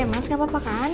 mas aku mau pulang